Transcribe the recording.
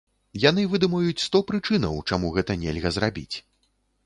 Яны выдумаюць сто прычынаў, чаму гэта нельга зрабіць.